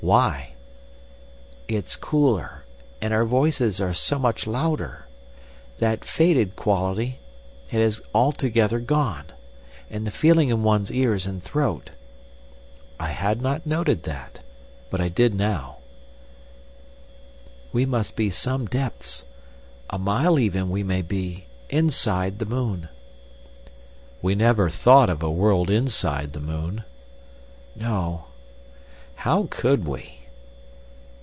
"Why?" "It's cooler. And our voices are so much louder. That faded quality—it has altogether gone. And the feeling in one's ears and throat." I had not noted that, but I did now. "The air is denser. We must be some depths—a mile even, we may be—inside the moon." "We never thought of a world inside the moon." "No." "How could we?"